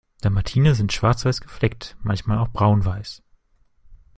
Dalmatiner sind schwarz-weiß gefleckt, manchmal auch braun-weiß.